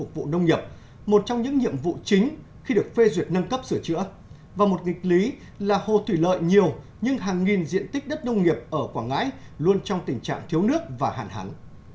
và một nghịch lý là hồ thủy lợi nhiều nhưng hàng nghìn diện tích đất nông nghiệp ở quảng ngãi luôn trong tình trạng thiếu nước và hạn hắn